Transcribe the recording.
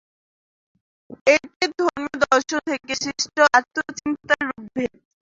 এটি ধর্মীয় দর্শন থেকে সৃষ্ট আত্ম চিন্তার রুপভেদ।